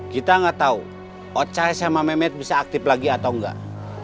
kita gak tahu ocah sama mehmet bisa aktif lagi atau enggak